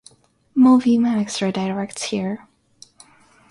MovieMax redirects here.